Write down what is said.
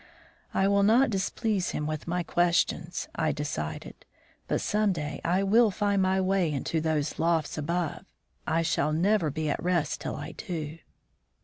"I will not displease him with questions," I decided; "but some day I will find my own way into those lofts above. I shall never be at rest till I do."